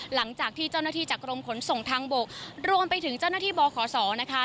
หลังจากที่เจ้าหน้าที่จากกรมขนส่งทางบกรวมไปถึงเจ้าหน้าที่บขศนะคะ